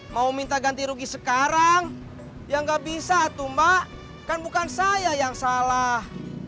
mau minta ganti rugi sekarang ya nggak bisa tuh mbak kan bukan saya yang salah